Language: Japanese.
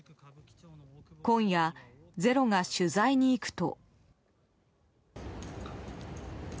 今夜「ｚｅｒｏ」が取材に行くと。